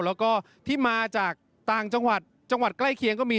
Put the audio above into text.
แล้วก็ที่มาจากต่างจังหวัดจังหวัดใกล้เคียงก็มี